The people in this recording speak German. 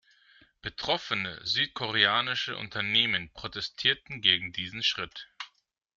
Betroffene südkoreanische Unternehmen protestierten gegen diesen Schritt.